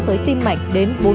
tới tim mạch đến bốn mươi năm